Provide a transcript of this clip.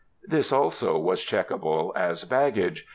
Tliis also was checkable as baggage.